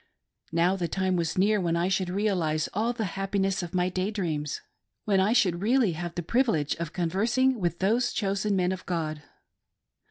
Now the time was near when I shoidd realise all the happiness of my day dreams — when I should really have the privilege of conversing with those chosen men of God.